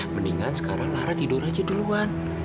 mendingan sekarang ara tidur aja duluan